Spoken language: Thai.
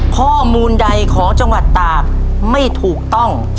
ข้อมูลใดของจังหวัดตากไม่ถูกต้อง